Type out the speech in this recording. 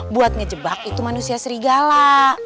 buat ngejebak itu manusia serigala